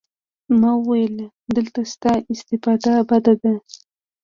ما وويل دلته ستا استفاده بده ده.